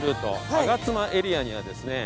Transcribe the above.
吾妻エリアにはですね